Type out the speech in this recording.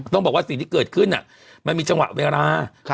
ต้องบอกว่าสิ่งที่เกิดขึ้นอ่ะมันมีชะวะเวลาค่ะ